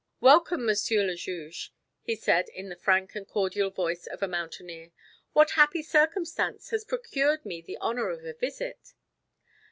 "Welcome, Monsieur le Juge," he said in the frank and cordial voice of a mountaineer; "what happy circumstance has procured me the honor of a visit?"